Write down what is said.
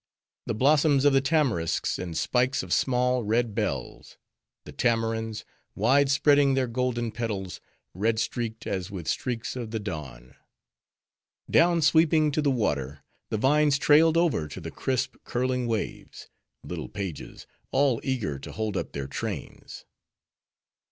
The blossoms of the Tamarisks, in spikes of small, red bells; the Tamarinds, wide spreading their golden petals, red streaked as with streaks of the dawn. Down sweeping to the water, the vines trailed over to the crisp, curling waves,—little pages, all eager to hold up their trains.